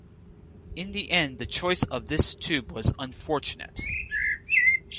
In the end the choice of this tube was unfortunate.